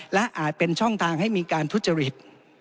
และอาจเป็นช่องทางให้มีการทุจริต